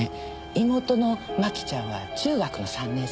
妹の真紀ちゃんは中学の３年生。